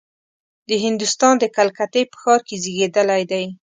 د هندوستان د کلکتې په ښار کې زېږېدلی دی.